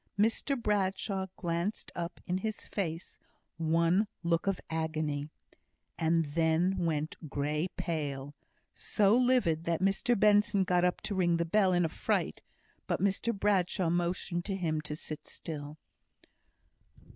Mr Bradshaw glanced up in his face one look of agony and then went grey pale; so livid that Mr Benson got up to ring the bell in affright, but Mr Bradshaw motioned to him to sit still.